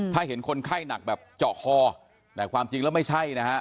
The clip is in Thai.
ถ้าเห็นคนไข้หนักแบบเจาะคอแต่ความจริงแล้วไม่ใช่นะฮะ